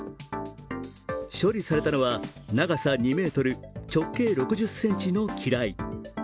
処理されたのは長さ２ｍ、直径６０ｃｍの機雷。